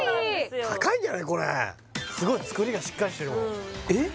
これすごい作りがしっかりしてるもんえっ！？